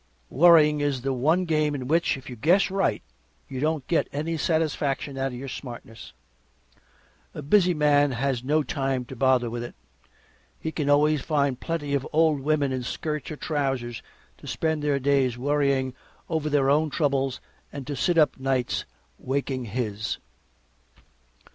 Worrying is the one game in which, if you guess right, you don't get any satisfaction out of your smartness. A busy man has no time to bother with it. He can always find plenty of old women in skirts or trousers to spend their days worrying over their own troubles and to sit up nights waking his.